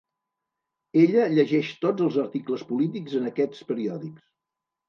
Ella llegeix tots els articles polítics en aquests periòdics.